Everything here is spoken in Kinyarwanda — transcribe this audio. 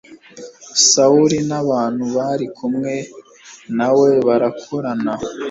sawuli n'abantu bari kumwe na we barakorana